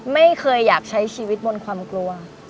ไม่เคยอยากใช้ชีวิตบนความกลัว